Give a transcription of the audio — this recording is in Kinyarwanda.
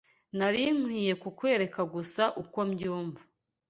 Nari nkwiye kukwereka gusa uko mbyumva